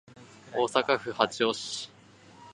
大阪府八尾市